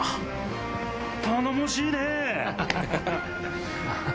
頼もしいね！